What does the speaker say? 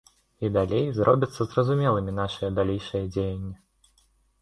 І далей зробяцца зразумелымі нашыя далейшыя дзеянні.